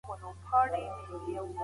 د وګړو زیاتوالی جدي مسله ده.